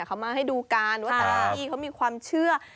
เขามาให้ดูการว่าตลอดอีกเขามีความเชื่อ